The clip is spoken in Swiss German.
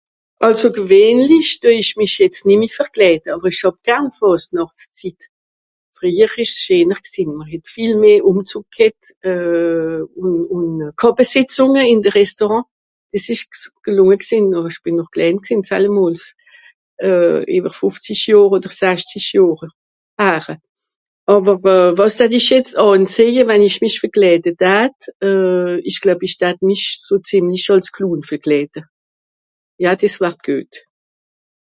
àlso gewähnlich deu isch mich jezt nemmi verkleide àwer ìsch hàb garn faasnàchtszit freijer esch's scheener gsìn mr het viel mehr ùmzug g'hett euh ùn ùn càpesìtzùnge ìn de restaurant des esch ... gsìn àwer ìsch bìn nor klein gsìn zallemols euh ìwer fofzischjohr oder s'achtischjohr hare àwer wàs d'hatt'isch jetz anziehe wann isch mich verklaide d'hatt euh isch gleub isch d'hatt mich so zìmlich àls clown verklaide ja des wart geut